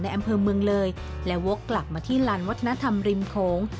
อำเภอเมืองเลยและวกกลับมาที่ลานวัฒนธรรมริมโขง